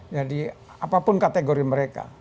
jadi apapun kategori mereka ya